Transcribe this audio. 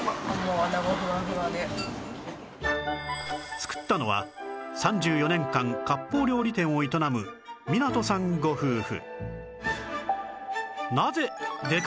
作ったのは３４年間割烹料理店を営む湊さんご夫婦